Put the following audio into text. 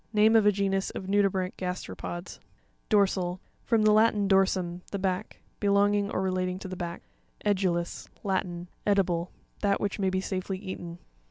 Name ofa genus of nudibranch gasteropods (page 65). Do'rsat.—From the Latin, dorsum, the back. Belonging or relating to the back. E'puuis.—Latin. Edible ; that which may be safely eaten.